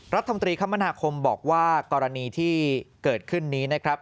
รัฐมนตรีคมนาคมบอกว่ากรณีที่เกิดขึ้นนี้นะครับ